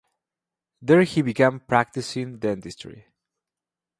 There he began practicing dentistry.